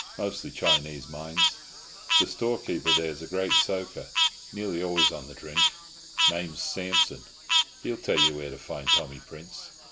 Mostly Chinese mines. The storekeeper there's a great soaker, nearly always on the drink. Name's Sampson. He'll tell you where to find Tommy Prince.